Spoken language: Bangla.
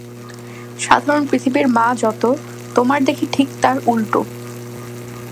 সাধারণ পৃথিবীর যা মত, তোমার দেখি ঠিক তার উল্টো।